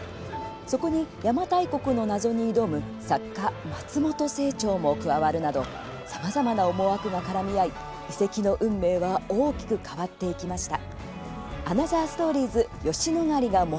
そこに邪馬台国の謎に挑む作家松本清張も加わるなどさまざまな思惑が絡み合い遺跡の運命は大きく変わっていきました。